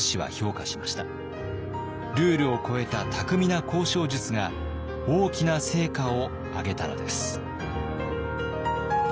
ルールを超えた巧みな交渉術が大きな成果を上げたのです。